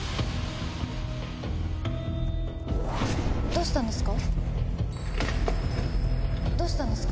どうしたんですか？